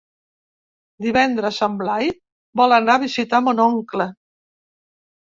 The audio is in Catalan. Divendres en Blai vol anar a visitar mon oncle.